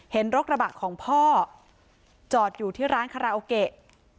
เห็นรถกระบะของพ่อจอดอยู่ที่ร้านคาราโอเกะ